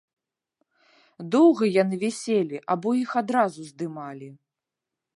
Доўга яны віселі або іх адразу здымалі?